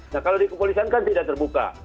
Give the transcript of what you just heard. nah kalau di kepolisian kan tidak terbuka